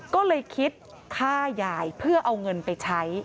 ก็เลยคิดฆ่ายายเพื่อเอาเงินไปใช้